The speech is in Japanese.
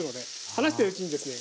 話してるうちにですね